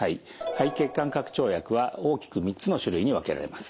肺血管拡張薬は大きく３つの種類に分けられます。